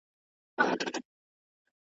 عقل چي پردی سي له زمان سره به څه کوو `